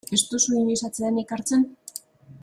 Ez duzu inoiz atsedenik hartzen?